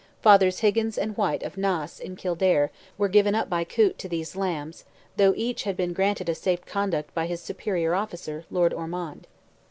Fathers Higgins and White of Naas, in Kildare, were given up by Coote to these "lambs," though each had been granted a safe conduct by his superior officer, Lord Ormond.